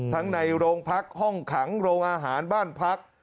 ในโรงพักห้องขังโรงอาหารบ้านพัก